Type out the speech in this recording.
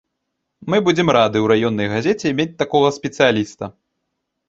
Мы будзем рады ў раённай газеце мець такога спецыяліста.